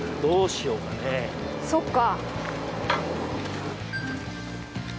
そっか。